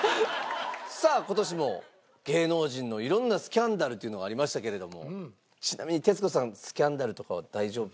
さあ今年も芸能人の色んなスキャンダルというのがありましたけれどもちなみに徹子さんスキャンダルとかは大丈夫ですよね？